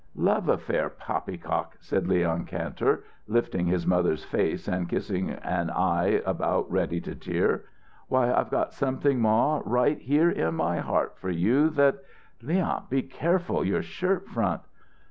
"Love affair poppycock!" said Leon Kantor, lifting his mothers face and kissing her on eyes about ready to tear. "Why, I've got something, ma, right here in my heart for you that " "Leon, be careful your shirt front!"